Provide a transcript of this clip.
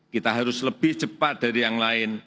kita harus lebih cepat dari yang lain